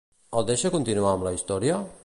El deixa continuar amb la història?